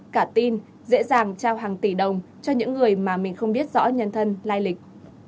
cả tin dễ dàng trao hàng tỷ đồng cho những người mà mình không biết rõ nhân thân lai lịch